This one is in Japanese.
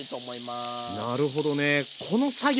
なるほどね。